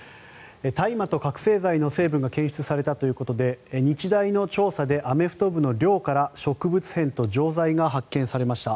大麻と覚醒剤の成分が検出されたということで日大の調査でアメフト部の寮から植物片と錠剤が発見されました。